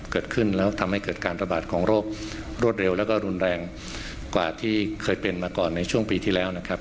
เกิดขึ้นแล้วทำให้เกิดการระบาดของโรครวดเร็วแล้วก็รุนแรงกว่าที่เคยเป็นมาก่อนในช่วงปีที่แล้วนะครับ